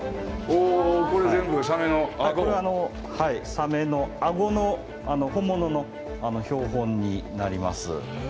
サメのあごの本物の標本になります。